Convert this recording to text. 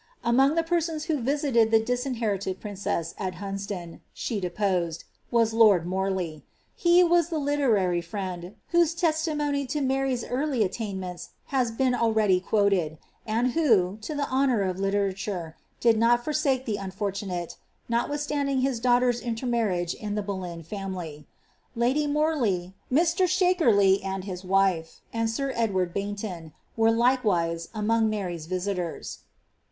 Among the persons who visited the disinherited princess at Hunsdonf »h* dejHised, was lord Miirley. He was the literary friend, whose le« tiiDony to Mary's early aiiainments has been already quoinl, and wht^ to tJio honour ol' literature, did not forsake the unforiunaie, notwi^ Eianding hii daughter's iulennarriage in the Boleyn family. Lady Mor* ley, Mr. Shakerley, and his wife, and sir Edward Baynion, were likfr wise among Mary's visitors.